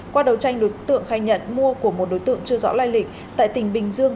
qua đầu tranh đối tượng khai nhận mua của một đối tượng chưa rõ lai lịch tại tỉnh bình dương